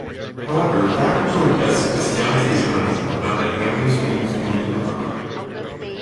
However, laboratory tests discounted his claim about the hammer's being formed in the rock.